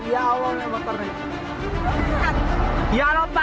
ya allah gak ngerti gak ada ahlak ya allah